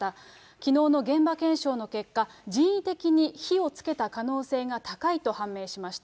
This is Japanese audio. きのうの現場検証の結果、人為的に火をつけた可能性が高いと判明しました。